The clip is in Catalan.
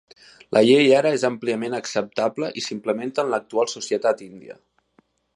La llei ara és àmpliament acceptable i s'implementa en l'actual societat índia.